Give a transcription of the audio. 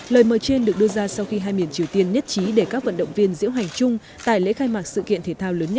lời mời trên được đưa ra sau khi hai miền triều tiên nhất trí để các vận động viên diễu hành